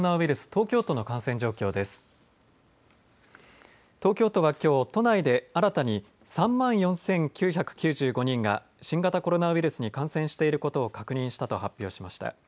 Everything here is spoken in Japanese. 東京都はきょう、都内で新たに３万４９９５人が新型コロナウイルスに感染していることを確認したと発表しました。